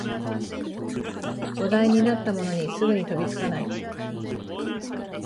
話題になったものにすぐに飛びつかない